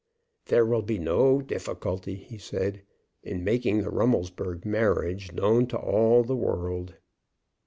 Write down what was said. "There will be no difficulty," he said, "in making the Rummelsburg marriage known to all the world."